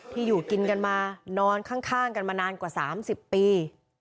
อยู่กินกันมานอนข้างกันมานานกว่า๓๐ปี